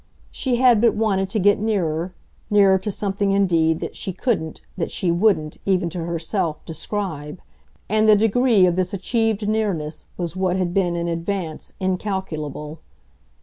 She had but wanted to get nearer nearer to something indeed that she couldn't, that she wouldn't, even to herself, describe; and the degree of this achieved nearness was what had been in advance incalculable.